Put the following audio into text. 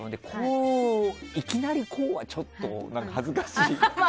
いきなり、こうはちょっと恥ずかしい。